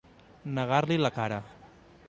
Negar-li la cara.